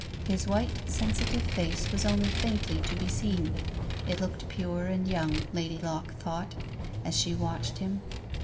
His white, sensitive face was only faintly to be seen. It looked pure and young, Lady Locke thought, as she watched him.